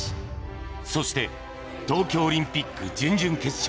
そして東京オリンピック準々決勝。